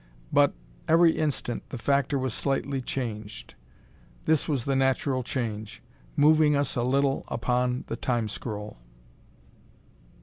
But, every instant, the Factor was slightly changed. This was the natural change, moving us a little upon the Time scroll.